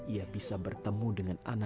ia bisa bertemu dengan anaknya